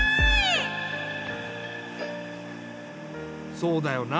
そうだよな。